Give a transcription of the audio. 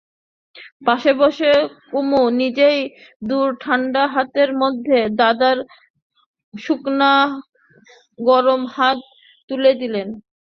পাশে বসে কুমু নিজের দুই ঠাণ্ডা হাতের মধ্যে দাদার শুকনো গরম হাত তুলে নিলে।